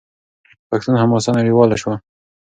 پښتون حماسه نړیواله شوه.